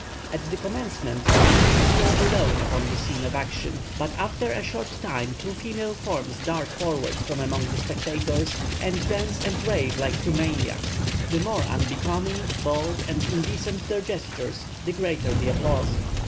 At the commencement, the men appear alone upon the scene of action, but after a short time two female forms dart forward from among the spectators, and dance and rave like two maniacs; the more unbecoming, bold, and indecent their gestures, the greater the applause.